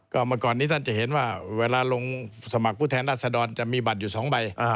ก่อนนี้ท่านจะเห็นว่าเวลาลงสมัครผู้แทนอาศดรจะมีบัตรอยู่สองใบ